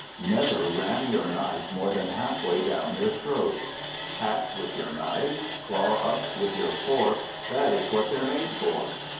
Never ram your knife more than half way down your throat. Hack with your knife, claw up with your fork; that is what they're made for.